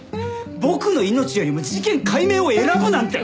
僕の命よりも事件解明を選ぶなんて！